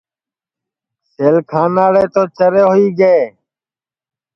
سیل کھاناڑے تو چرے ہوئی گے